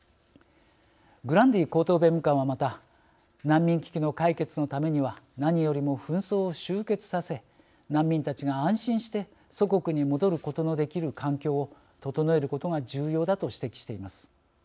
グランディ高等弁務官はまた難民危機の解決のためには何よりも紛争を終結させ難民たちが安心して祖国に戻ることのできる環境を整えることが重要だと指摘しています。